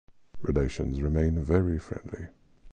Relations remain very friendly.